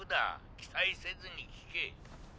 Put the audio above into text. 期待せずに聞け。